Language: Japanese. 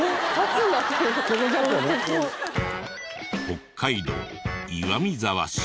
北海道岩見沢市。